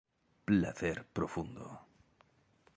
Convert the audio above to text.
Placer profundo.